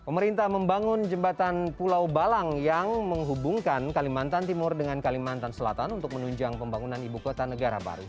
pemerintah membangun jembatan pulau balang yang menghubungkan kalimantan timur dengan kalimantan selatan untuk menunjang pembangunan ibu kota negara baru